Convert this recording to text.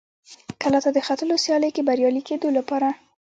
کلا ته د ختلو سیالۍ کې بریالي کېدو لپاره.